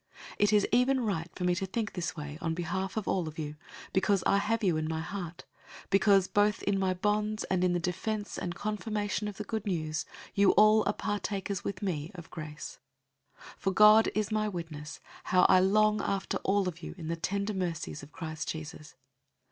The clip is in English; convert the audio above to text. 001:007 It is even right for me to think this way on behalf of all of you, because I have you in my heart, because, both in my bonds and in the defense and confirmation of the Good News, you all are partakers with me of grace. 001:008 For God is my witness, how I long after all of you in the tender mercies of Christ Jesus.